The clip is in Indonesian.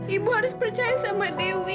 ibu harus percaya sama dewi